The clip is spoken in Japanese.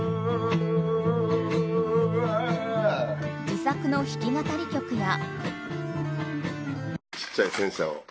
自作の弾き語り曲や。